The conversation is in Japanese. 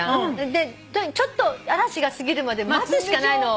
でちょっと嵐が過ぎるまで待つしかないの。